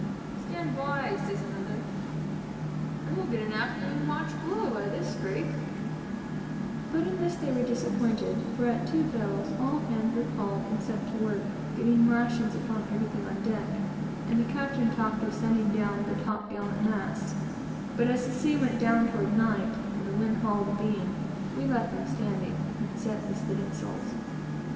"Stand by!" says another, "and we'll get an afternoon watch below, by this scrape;" but in this they were disappointed, for at two bells, all hands were called and set to work, getting lashings upon everything on deck; and the captain talked of sending down the long top gallant masts; but, as the sea went down toward night, and the wind hauled abeam, we left them standing, and set the studding sails.